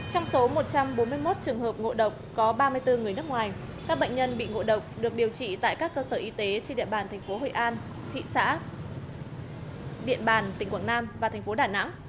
trong số một trăm bốn mươi một trường hợp ngộ độc có ba mươi bốn người nước ngoài các bệnh nhân bị ngộ độc được điều trị tại các cơ sở y tế trên địa bàn thành phố hội an thị xã điện bàn tỉnh quảng nam và thành phố đà nẵng